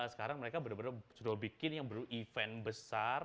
sekarang mereka benar benar sudah bikin yang ber event besar